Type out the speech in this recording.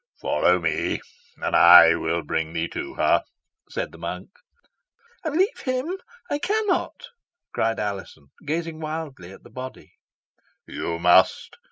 "Follow me, and I will bring thee to her," said the monk. "And leave him? I cannot!" cried Alizon, gazing wildly at the body. "You must.